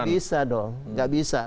tidak bisa dong tidak bisa